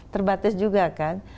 terbatas juga kan